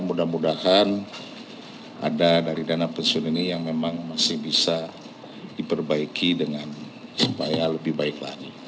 mudah mudahan ada dari dana pensiun ini yang memang masih bisa diperbaiki dengan supaya lebih baik lagi